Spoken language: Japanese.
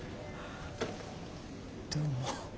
どうも。